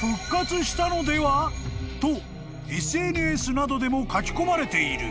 ［とＳＮＳなどでも書き込まれている］